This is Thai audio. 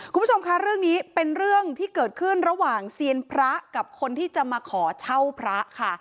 คุณผู้ชมคะเรื่องนี้เป็นเรื่องที่เกิดขึ้นระหว่างเซียนพระกับคนที่จะมาขอเช่าพระค่ะ